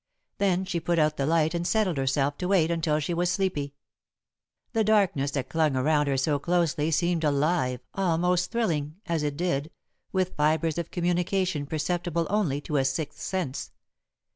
Then she put out the light and settled herself to wait until she was sleepy. The darkness that clung around her so closely seemed alive, almost thrilling, as it did, with fibres of communication perceptible only to a sixth sense.